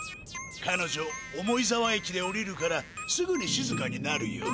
かのじょ重井沢駅でおりるからすぐにしずかになるよ。